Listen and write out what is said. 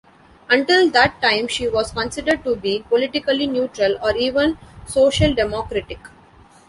Until that time she was considered to be politically neutral or even social-democratic.